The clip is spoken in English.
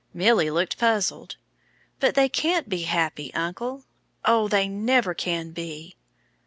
Milly looked puzzled. "But they can't be happy, uncle. Oh, they never can be!"